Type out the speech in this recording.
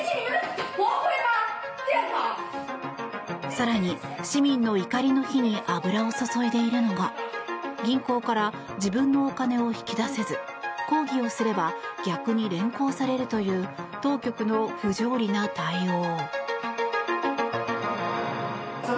更に、市民の怒りの火に油を注いでいるのが銀行から自分のお金を引き出せず抗議をすれば逆に連行されるという当局の不条理な対応。